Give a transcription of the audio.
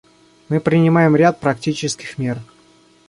Мы принимаем ряд практических мер.